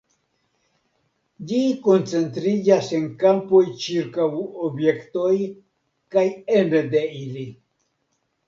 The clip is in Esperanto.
Ĝi koncentriĝas en kampoj ĉirkaŭ objektoj kaj ene de ili.